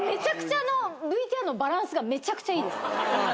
ＶＴＲのバランスがめちゃくちゃいいです。